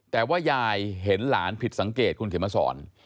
แต่ว่ายายเห็นหลานผิดสังเกตคุณเขียนมาสอน